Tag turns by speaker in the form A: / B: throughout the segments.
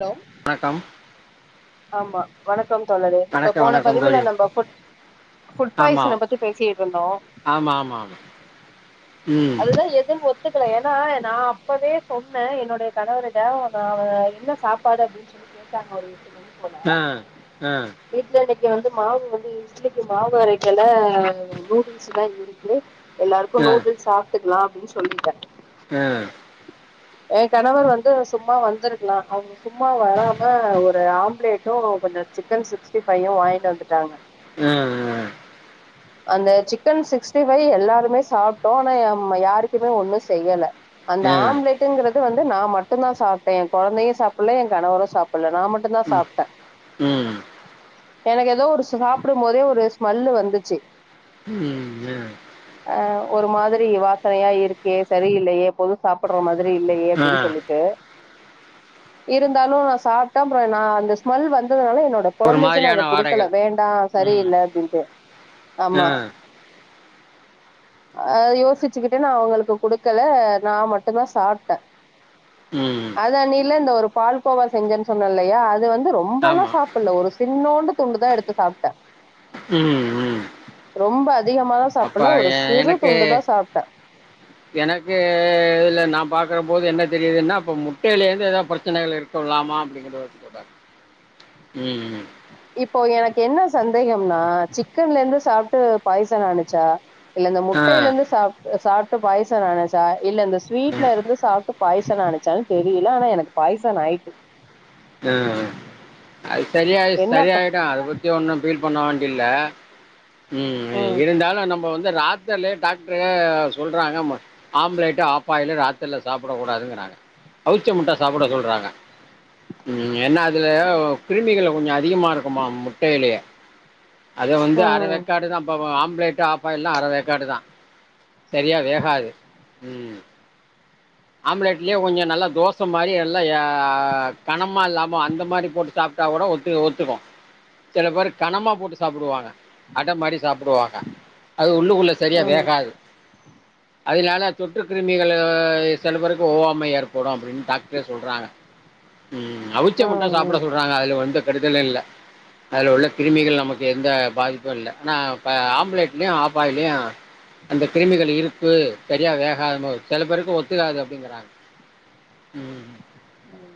A: Hello
B: வணக்கம்
A: ஆமா வணக்கம் சொன்னது இப்ப
B: வணக்கம்
A: போன
B: வணக்கம்
A: பதிவுல
B: தோழி
A: நம்ம ஃபுட்
B: ஆமா
A: பாய்சன பத்தி பேசிட்டு இருந்தோம்
B: ஆமா ஆமா ஆமா ம்
A: அதுதா எதுன்னு ஒத்துக்கல ஏன்னா நா அப்பவே சொன்னே என்னோட கணவரிட அவ என்ன சாப்பாடு அப்படின்னு சொல்லி கேட்டாங்க ஒரு எட்டு மணி
B: ஆஹ ஆஹ
A: இங்க வந்து மாவு வந்து இட்லிக்கு மாவு அரைக்கல நூடுல்ஸ் தா இருக்கு எல்லாருக்கும் நூடுல்ஸ் பாத்துக்கலாம் அப்படின்னு சொல்லிட்டேன்
B: ஹ
A: என் கணவர் வந்து சும்மா வந்திருக்கலாம் அவங்க சும்மா வராம ஒரு ஆம் பிளேட்டும் கொஞ்சம் சிக்கன் சிஸ்டீ ஃபைவ்யும் வாங்கிட்டு வந்துட்டாங்க
B: ஹா ஹ
A: அந்த சிக்கன் சிக்ஸ்டி ஃபைவ் எல்லாருமே சாப்பிட்டோம் ஆனா யாருக்குமே ஒண்ணும் செய்யல அந்த
B: ஆ ஆ
A: ஆம்லெடங்கிறது இது வந்து நா மட்டும் தா சாப்பிட்டேன் என் குழந்தையும் சாப்பிடல என் கணவரும் சாப்பிடல நா மட்டும் தா
B: ம்
A: சாப்பிட்டேன்
B: ம் ம் ம்
A: அஹ் ஒரு மாதிரி வாசனையா இருக்கே சரியில்லையே எப்போதும் சாப்பிடுற மாதிரி மாதிரி இல்லையே
B: ஆ
A: அப்படின்னு சொல்லிட்டு இருந்தாலும் நான் சாப்பிட்டேன் அப்புறம் நான் அந்த ஸ்மெல் வந்ததுனால என்னோட
B: ஒரு
A: குழந்தைக்கு நான் அதை
B: மாதிரியான
A: குடுக்கல
B: வாடைகள்
A: வேண்டாம்
B: ம்
A: சரியில்ல அப்படின்ட்டு
B: ஆ
A: ஆமா அஹ யோசிச்சுக்கிட்டே நான் அவங்களுக்கு கொடுக்கல நான் மட்டும்தான் சாப்பிட்டேன்
B: ம்
A: அதான் நீ இல்ல இந்த ஒரு பால்கோவா செஞ்சேன்னு சொன்னேன் இல்லையா அது இது வந்து
B: ஆமா
A: ரொம்பெல்லாம் சாப்பிடல ஒரு சின்னோண்டு துண்டுதான் எடுத்து சாப்பிட்டேன்
B: ம்ம்ம்ம்
A: ரொம்ப அதிகமாலா
B: அப்ப
A: சாப்பிடல ஒரு சிறு
B: எனக்கு
A: துண்டு தா சாப்ட்டே
B: எனக்கு நா பாக்குற போது என்ன தெரியுதுன்னா அப்ப முட்டையிலேருந்து ஏதோ பிரச்சனைகள் இருக்கலாமா அப்டினு தோணுது இப்ப ம்
A: இப்போ எனக்கு என்ன சந்தேகம்னா சிக்கன்ல இருந்து சாப்புட்டு பாய்சன் ஆனுச்சா இல்ல இந்த
B: ஆ
A: முட்டையில இருந்து சாப் சாப்ட் ட்டு பாய்சன் ஆனுச்சா இல்ல இந்த
B: ஆ
A: ஸ்வீட்ல இருந்து சாப் ட்டு பாய்சன் ஆனுச்சானு தெரியல ஆனா எனக்கு பாய்சன் ஆயிட்டு
B: ஆ அது சரியயி
A: என்னப்ப
B: சரியயிடு அத பத்தி ஒன்னு ஃபில் பண்ண வேண்டில்ல ம் இருந்தாலு நம்ம வந்து து ராத்திரிலயே டாக்டரு சொல்றாங்க மு ஆம்லெட் ஆஃப்பாயில் ராத்திரில சாப்பிட கூடாதுங்றாங்க அவிச்ச முட்ட சாப்ட சொல்றாங்க ம் ஏன்னா அதுல கிருமிகள் கொஞ்சோ அதிகமா இருக்குமா முட்டையிலயே அத வந்து அரை
A: ம்
B: வெக்காடு தா இப்ப ஆம்லெட் ட்டு ஆஃப்பாயில்ல அர வேக்காடுதா சரியா வேகாது, ம் ஆம்லெட்லயே கொஞ்சோ நல்லா தோசை மாரி எல்லா எ கணமா இல்லாம அந்த மாரி போட்டு சாப்ட்டா கூட ஒத்து ஒத்துக்கு சில பேரு கணமா போட்டு சாப்டுவாங்க அடை மாரி சாப்டுவாங்க அது உள்ளுக்குள்ள சரியா
A: ம்
B: வேகாது அதனால தொற்று கிருமிகள் அ சில பேருக்கு ஓவாம்மை ஏற்படும் அப்டின்னு டாக்டரே சொல்றாங்க ம் அவிச்ச முட்ட
A: ம்
B: சாப்புட
A: ம்
B: சொல்றாங்க அதுல வந்து கெடுதல் இல்ல அதுல உள்ள கிருமிகள் நமக்கு எந்த பாதிப்பு இல்ல ஆனா இப்ப ஆம்ப்லேட்மே ஆப்பாயிலியு அந்த கிருமிகள் இருப்பு சரியா வேகாத போது சில பேருக்கு ஒத் தீராது அப்டிங்குறாங்க உம் உம் ம்
A: ம்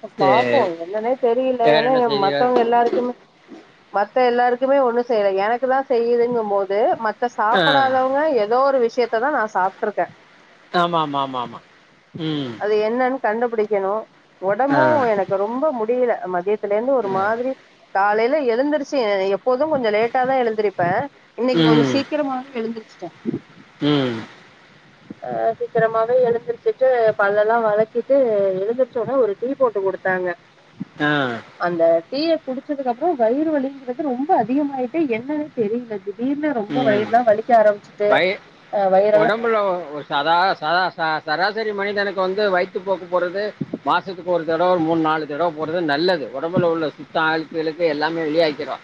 A: ப்ப பாத்தோ
B: சரி
A: என்னன்னே தெரியில
B: வேற
A: ஏன்னா
B: என்ன
A: இங்க
B: செய்திகள்
A: மத்தவ்ங்க எல்லாருக்குமே மத்த எல்லாரு குமே ஒன்னு செய்ல எனக்குலா செய்யுதுங்கமோது மத் ப்ப
B: ஆ
A: சாப்புடாதவ்ங்க எதோ ஒரு விஷ் விசியத்ததா நா சாப்ட்டுருக்கே
B: ஆமாம்மாம்மாம்மா உம்ம்
A: அது என்னன்னு கண்டுபிடிக்கணு ஒடம்பூ எனக்கு ரொம்ப முட் முடியில அ மதியத் அதுல இருந்து ஒரு
B: ஆ.
A: மாதிரி காலேல எழுந்துருச்சு ஏ எப் போதும் கொஞ்ச லேட்டா தா எழுந்திருப்ப இன்னைக்கு கொஞ்ச சீக்கிரமாவே எழுந்திருச்
B: உம்
A: ஆஹ் சீக்கிரமாவே எழுந்திருச்சுட்டு பல்லலா வெலகிட்டு எழுந்துர் எதோ ஒரு டீ போட்டு குடுத்தாங்க
B: ஆஹ்
A: அந்த டீய குடிச்சதுக்கப்றோ வயிறு வலிங்கிறது ரொம்ப அதிகமாய்ட்டு என்னனே தெரில இது
B: உம் பையி
A: ஆ வயிறெல்லா
B: ஒடம்புல ஓ ஒரு சாதா சாதா சா சரா சரி மனிதனுக்கு வந்து வய்த்து போக்கு போறது மாசத்துக்கு ஒரு தடோ மூண் நாலு தடவ போறது நல்லது ஒடம்புல உள்ள சித்த ஆழ்கிழுக்கு எல்லாமே வெளியாக்கிறு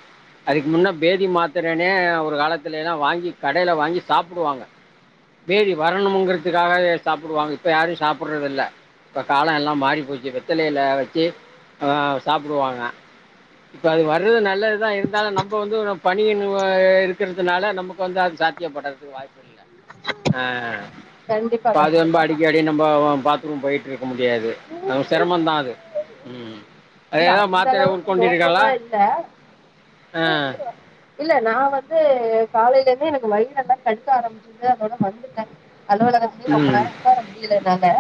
B: அதுக்கு முன்ன பேதி மாத்துரனே ஒ ங்க காலத்துலேல வாங்கி கடேல வாங்கி சாப்டுவாங்க பேதி வரணும்ங்கிறதுகாகவே சாப்புடுவாங்க இப்ப யாரியு சாப்புடுறதுல்ல இப்ப காலோ எல்லா மாறி போச்சு வெத்தலேல வச்சு ஆஹ் சாப்டுவாங்க இப்போ அது வர்ரு நல்லதுதா இருந்தாலு நம்போ வந்து ஒரு நா பனியென்னுவாயேல் கிற்துனால நமுக்கு வந்து அது சாத்தியப்படற்துக்கு வாய்ப்பு இல்ல ஆஹ்
A: கண்டிப்பா
B: பாதி ஒம்ப
A: கண்டிப்பா
B: அடிக்கடி நம்போ ஒ பாத்ரூம் போய் பும் முடியாது அது செரமொந்தா அது உம்அது
A: இல்ல
B: எதோ
A: அந்த
B: மாத்திர
A: அளவுக்கு
B: உட்கொண்டீர்களா
A: மோசமா இல்ல
B: ஆஹ்
A: காலேல இருந்து எனக்கு வயிர் எல்லா கடுக்க ஆரமிச்சிர்து அதோட வந்துட்ட அலுவலகத்லியு ரொம்ப
B: ம்
A: நேரோ உக்கார முடியல என்னால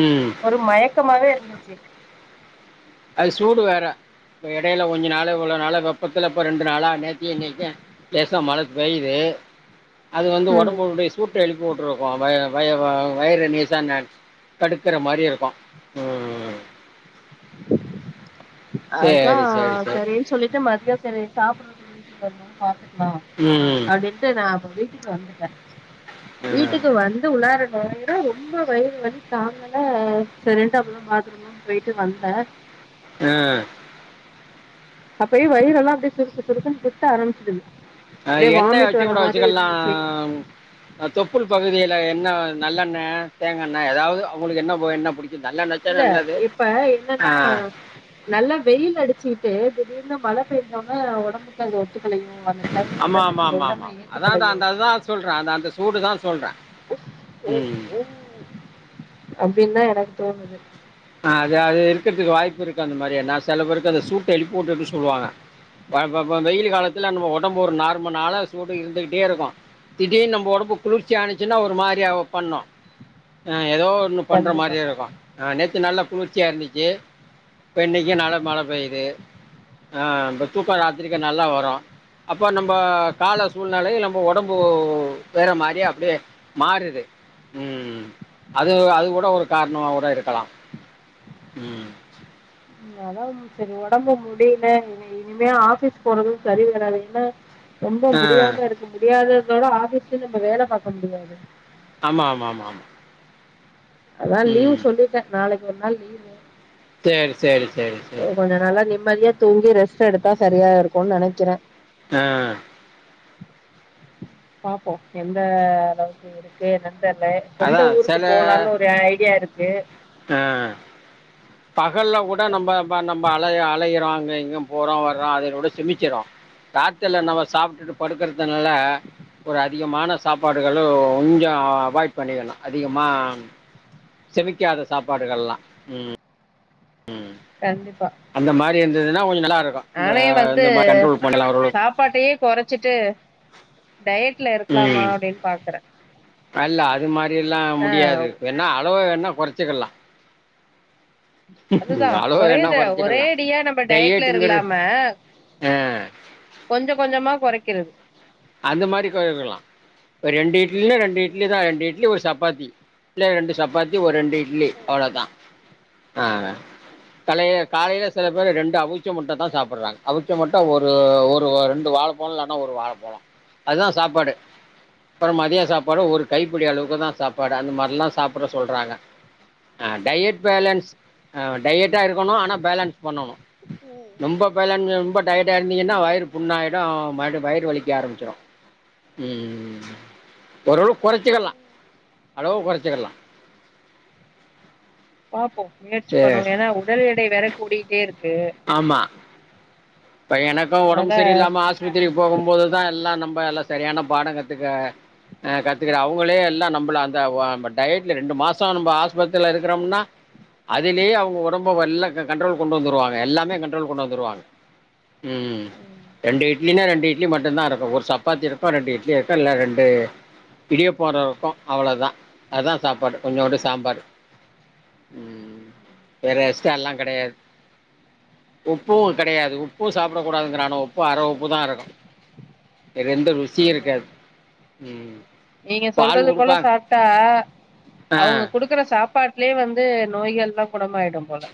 B: ம்
A: ஒரு மயக்கமாவே இருந்துச்சு
B: அது சூடு வேற எடேல கொஞ்சு நாளு இவுள நாளா வெப்பத்துல இப்போ ரெண்டு நாளா நேத்தி இன்னைக்கு லேசா மழ பெய்து அது வந்து
A: ம்
B: ஒடம்புடைய சூட்ட இழு மூட்ரூகோ வய வய வ வயுறு மீசானர் தடுக்கிற மாரி இருக்கு உம்
A: அதா
B: சேரி சேரி
A: சரின் சொல்லிட்டு மதிய சரி சாப்புட்ற [unintelligible] வீட்டுக்கு வருமோது பாத்துட் நா
B: ம்
A: அப்டின்ட்டு நா அப்போ வீ ச் வந்துட்ட
B: ம்
A: வீட்டுக்கு வந்து உள்ளார நொழையிர ரொம்ப வயிறு வல் ம் தாங்கல செரின்ட்டு அப்புறமா பாத்துரூம்லா போயிட் ட்டு வந்த
B: அஹ்
A: அப்பயே வயிறெல்லா அப்டியே சுருக்கு சுருக்குன் குத்த ஆரமிச்சிது
B: ஆஹ் எண்ண வக்கே கூடோ வச்சுக்கல்லாம் அ தொப்புல் பகுதில எண்ண நல்லெண்ண தேங்கண்ண எதாவுது அவுங்களுக்கு என்ன எண்ண புடிக்
A: இல்ல இப்ப என்னனா
B: ஆ
A: நல்லா வெயில் அடிச்சிட்டு திடீர்னு மழ பெஞ்சோன்ன ஒடம்புக்கு அது ஒத்துக்கலையோ அந்த கிளைமேட்
B: ஆமா
A: வந்து
B: ஆமா
A: நம்ம
B: ஆமா ஆமா
A: ஒடம்ப
B: அதான்தா
A: ஏத்துக்கலையோ
B: அந்த அதுதா சொல்ற அந்த அந்த சூடுதா சொல்ற உம்
A: அப்டின் தா எனக்கு தோணுது
B: ஆஹ் அது அது இருக்கற்துக்கு வாய்ப்பு இருக்கு அந்த மாரி என்னாஸ் செல பேருக்கு அந்த சூட்டு எழுப்பி உட்டு அப்டி சொல்வாங்க பா பபோ வெயில் காலத்தில நம்ம ஒடம்பு ஒரு நார்மு நாள சூடு இருந்துகிட்டே இருக்கு திடீர்னு நம்பு ஒடம்பு குளிர்ச்சி ஆணுச்சின்னா ஒரு மாரியாவோ பண்ணு அஹ் எதோ ஒன்னு பண்ற
A: கண்டிப்பா
B: மாரியே இருக்கு அஹ் நெக் து நல்லா குளிர்ச்சியா இருந்துச்சு இப்ப இன்னைக்கு நாள மழ பெய்து ஆஹ் இப்ப தூக்கோ ராத்திரிக நல்லா வரு அப்போ நம்போ கால சூழ்நலை நம்பு ஒடம்பு வேற மாரியே அப்டியே மாறுது உம் அது அது கூட ஒரு கார்ணோ கூட இருக்கலா உம்
A: ம் அதாம் செரி ஒடம்பு முடிலன் இனிமே ஆபீஸ் போறது சரி வராது இன்னா ரொம்போ
B: ஆ
A: முடியாம இருக்கு முடியாது இதோட ஆபிஸ்லிந்து நம்ப வேல பாக்க முடியாது
B: ஆமா ஆமா ஆமா ஆமா
A: அதா லீவு
B: ம்
A: சொல்லிட்ட நாளைக் கு ஒர் நாள் லீவு
B: சேரி சேரிச்
A: ஓ கொஞ்ச நல்லா நிம்மதியா தூங்கி ரெஸ்ட் எடுத்தா சரியா இருக்குன் நெனைக்கிற
B: ஆஹ்
A: பாப்போ எந்த அளவுக்கு இருக்கு என்னன் தெர்ல
B: அதா
A: சொந்த ஊருக்கு போலான்னு ஒரு ஐடியா இருக் கு
B: ஆஹ் பகல்ல கூட நம்ப பா நம்பா அழயி அழையிறோ எங்யு போறோ வர்றோ அத உட செமிக்கிறோ ராத்திர்ல நம்ம சாப்ட்டுட்டு படுக்கற்தனால ஒரு அதிகமான சாப்பாடுகளு கொஞ்சோ அவாய்ட் பண்ணிரணு அதிகமா செமிக்காத சாப்பாடுகள்லா உம் உம்
A: கண்டிப்பா
B: அந்த மாரி இருந்துதுனா கொஞ்சு நல்லா இருக்கும் இந்த
A: நானே வந்து
B: இந்த மாதிரி கண்ட்ரோல் பண்ணலாம் ஒரு
A: சாப்பாட்டையே கொறச்சிட்டு டயட்ல இருக்கலாமா
B: ம்
A: அப்டின் பாக்கறேன்
B: அல்ல அது மா ரிலாம் முடியாது வேணா அளவ வேன கொறச்சிக்கலா
A: அதுதா ஒரே
B: வேணா
A: இத
B: குறைச்சிக்கலாம்
A: ஒரேடியா நம்ம டயட்ல
B: டயட்டுங்கிறது
A: இல்லாம
B: ஆ,
A: கொஞ்ச கொஞ்சமா கொறைக்கிறது
B: அந்த மாரி கொறைக்கலா ஒரு ரெண்டிட் இட்லி ரெண்டு இட்லிதா ரெண்டு இட்லி ஒரு சப்பாத்தி இல்ல ரெண்டு சப்பாத்தி ஒரு ரெண்டு இட் இட்லி அவ்ளோதா ஆ கலைய காலையில சில பேரு ரெண்டு அவுச்ச முட்டதா சாப்புட்றாங்க அவுச்ச முட்ட ஒரு ஒரு ரெண்டு வாழப்பழம் இல்லனா ஒரு வாழப்பழம் அதுதா சாப்பாடே அப்புற மதிய சாப்பாடு ஒரு கைப்பிடி அளவுக்குதா சாப்பாடு அந்த மாரில்லா சாப்புட சொல்றாங்க ஆ டயட் பேலன்ஸ் ஆ டயட்டா இருக்கணும் ஆனா பேலன்ஸ் பண்ணணும் ரொம்ப பேலன்ஸு ரொம்ப டயட்டா இருந்தீங்கன்னா வயிறு புண்ணா ஆயிடும் மறுபடி வயிறு வலி க்க ஆரம்பிச்சிரு உம் உம் உம் ஒரளவுக் கொறச்சிக்கலா அளவு கொறச்சிக்கலா
A: பாப்போ முயற்சி
B: சேர்
A: பண்ணுவோ ஏன்னா உடல் எடை வேற கூடிட்டே இருக்
B: ஆமா இப்ப எனக்கும் ஒடம்பு
A: அதனால
B: சரியில்லாம ஆஸ்பத்திரிக்கு போகும் போதுதா எல்லா நம்ப எல்லா சரியான பாட கத்துக்க ஆ கத்துக்கற அவுங்களே எல்லா நம்பள அந்த ஓ டயட்ல ரெண்டு மாசம் நம்ப ஆஸ்பத்திரில இருக்கிறோம்னா அதுலேயே அவுங்க ஒடம்ப எல்லா கண்ட்ரோல்க்கு கொண்டு வந்துருவாங்க எல்லாமே கண்ட்ரோல்க்கு கொண்டு வந்துருவாங்க உம் ரெண்டு இட் இட்லினா ரெண்டு இட்லி மட்டுந்தா இருக்கு ஒரு சப்பாத்தி இருக்கும் ரெண்டு இட்லி இருக்கும் இல்ல ரெண்டு இடியாப்போற இருக்கும் அவ்ளோதா அதா சாப்பாடு கொஞ்சோண்டு சாம்பார் உம் வேற எக்ஸ்ட்டாலா கெடையாது உப்பும் கெடையாது உப் பும் சாப்டக் கூடாதுனுங்கிறானுவோ உப்பு அர உப்புதா இருக்கும் இது ரெண்டு வி
A: ஆமா ஆமா நீங்க
B: பால்
A: சொல்றது போல
B: குடுப்பாங்க
A: சாப்ட்டா
B: ஆ
A: அவுங்க குடுக்குற சாப்பாட்லயே வந்து நோய்கள்லா குணமாயிடும் போல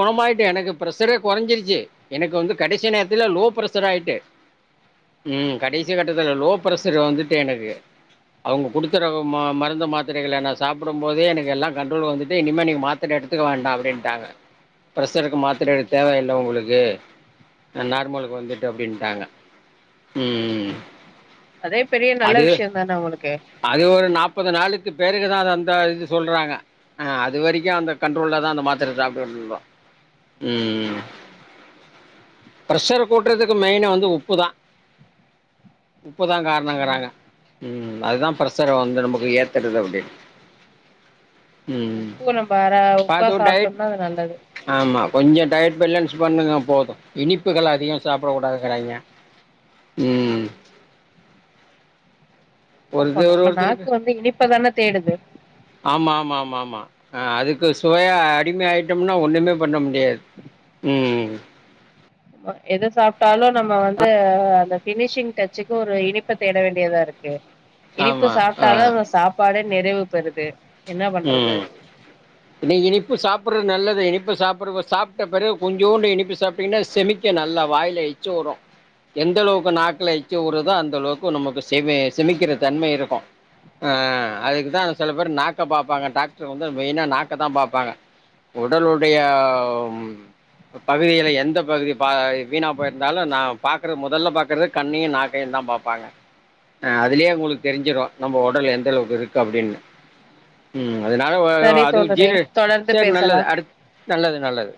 B: கொணமாயிட்டு எனக்கு பிரஷரே கொறஞ்சிடுச்சு எனக்கு வந்து கடைசி நேரத்தில் லோ பிரஷர் ஆயிட்டு ம் கடைசி கட்டத்துல லோ பிரஷர் வந்துட்டு எனக்கு அவுங்க குடுக்கற ம மருந்து மாத்திரைகள நா சாப்புடும் போதே எனக்கு எல்லாம் கண்ட்ரோல் வந்துட்டு இனிமே நீங்க மாத்திரை எடுத் துக்க வேண்டா அப்டின்ட்டாங்க பிரஷருக்கு மாத்திர எடுத்
A: ம்
B: தேவ இல்ல உங்களுக்கு ஆ நார்மலுக்கு வந்துட்டு அப்டின்ட்டாங்க உம் உம்
A: அதே பெரிய நல்ல
B: அது
A: விஷயம் தானே உங்களுக்கு
B: அது ஒரு நாப்பது நாளு பேருக்குதா அத அந்த இது சொல்றாங்க அதுவரைக்கு அந்த கண்ட்ரோல்லதா அந்த மாத்திர சாப்டுட்டு இருந்தோம் உம் உம் பிரஷர கூட்றதுக்கு மெய்னா வந்து உப்புதா உப்புதா
A: ஆமா
B: காரணங்கறாங்க உம் அதுதா பிரஷர வந்து நமக்கு ஏத்தறது அப்டின்னு
A: உப்பு நம்ப அர உப்பா
B: பார்த்தோ டயட்
A: சாப்ட்டோம்னா அது நல்லது
B: ஆமா கொஞ்ச டயட் பேலன்ஸ் பண்ணுங்க போதும் இனிப்புகள் அதிகம் சாப்புடக் கூடாதுங்கறாய்ங்க உம்
A: அப்போ
B: இது ஒரு
A: நம்ம நாக்கு
B: ஒருத்தருக்கு
A: வந்து இனிப்பதான தேடுது
B: ஆமா அதுக்கு சுவையா அடிமை ஆயிட்டோம்னா ஒண்ணுமே பண்ண முடியாது உம்
A: ம எத சாப்ட்டாலு நம்ம வந்து அந்த ஃபினிஷிங் டச்சுக்கு ஒரு இனிப்ப தேட வேண்டியதா இருக்கு இனிப்பு
B: ஆமாம் ஆ
A: சாப்ட்டாதா அவ்ங்க சாப்பாடே நிறைவு பெறுது என்ன பண்றது
B: ம் நீ இனிப்பு சாப்புட்றத் நல்லது இனிப் ப்போ சாப்புடும்போ சாப்ட்ட பிறகு கொஞ்சோண்டு இனிப்பு சாப்ட்டீங்கன்னா செமிக்கு நல்லா வாயில எச்சு உரும் எந்தளவுக்கு நாக்குல எச்ச ஊறுதோ அந்த அளவுக்கு நமக்கு செமி செமிக்கிற தன்மை இருக்கும் அ அதுக்குதா சில பேர் நாக் ட்ட பாப்பாங்க டாக்ட்ரு வந்து மெயினா நாக்க தா பாப்பாங்க உடலுடைய ம் பகுதியில எந்த பகுதி பா வீணா போயிருந்தாலும் நா பாக்குற மொதல்ல பாக்குறது கண்ணியு நாக்கையு தா பாப்பாங்க அ அதுலே உங்குளுக்கு தெரிஞ்சிரு நம்ப உடல் எந்த அளவுக்கு இருக்கு அப்புடின்னு ம் அதனால [unintelligible]
A: சரி
B: அது
A: தோழரே
B: ஜீனு
A: தொடர்ந்து
B: சேர் நல்லது
A: பேசலா
B: அடுத் நல்லது நல்லது